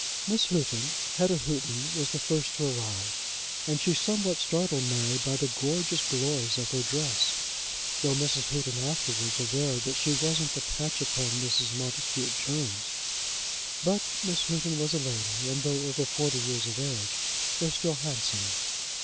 Miss Houghton Hetta Houghton was the first to arrive, and she somewhat startled Mary by the gorgeous glories of her dress, though Mrs. Houghton afterwards averred that she wasn't "a patch upon Mrs. Montacute Jones." But Miss Houghton was a lady, and though over forty years of age, was still handsome.